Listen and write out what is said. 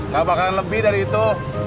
gak bakalan lebih dari itu